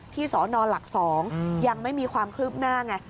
สนหลัก๒ยังไม่มีความคืบหน้าไง